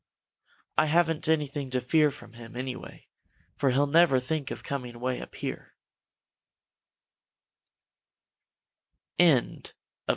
"I haven't anything to fear from him, anyway, for he'll never think of coming way up here," said he.